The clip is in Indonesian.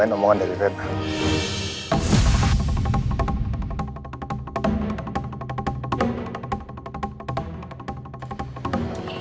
aku tentang yang yang apatuh